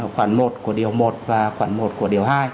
khoảng một của điều một và khoản một của điều hai